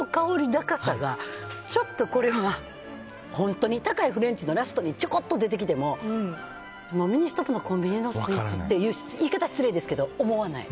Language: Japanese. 高さがちょっとこれは高いフレンチのラストにちょこっと出てきてもミニストップのコンビニのスイーツって、言い方失礼ですが思わない。